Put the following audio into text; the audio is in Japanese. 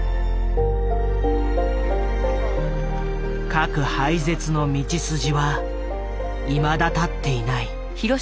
核廃絶の道筋はいまだ立っていない。